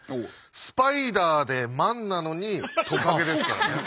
スパイダーでマンなのにトカゲですからね。